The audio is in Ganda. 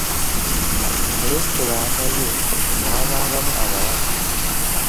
Mu lesitulanta ye mwabangamu abawala.